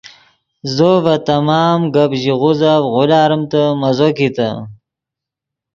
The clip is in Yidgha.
زو ڤے تمام گپ ژیغوزف غولاریمتے مزو کیتے